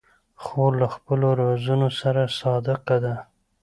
خور له خپلو رازونو سره صادقه ده.